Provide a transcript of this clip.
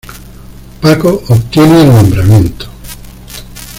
Paco obtiene el nombramiento